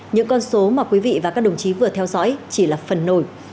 những con số mà quý vị và các đồng chí vừa theo dõi chỉ là phần nổi